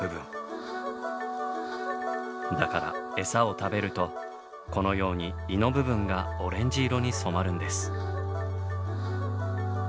だからエサを食べるとこのように胃の部分がオレンジ色に染まるんです。